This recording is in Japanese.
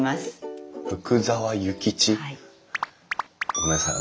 ごめんなさい